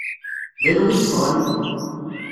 D anwa i yeffɣen?